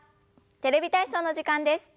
「テレビ体操」の時間です。